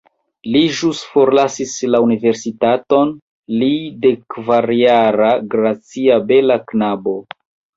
Li ĵus forlasis la universitaton, li, dekkvarjara gracia bela knabo.